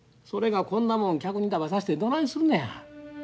それがこんなもん客に食べさしてどないすんのや。